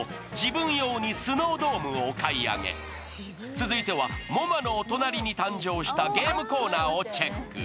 続いては、ＭｏＭＡのお隣に誕生したゲームコーナーをチェック。